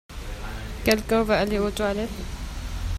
Quelqu'un veut aller aux toilettes?